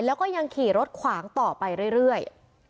แล้วก็ยังขี่รถขวางต่อไปเรื่อย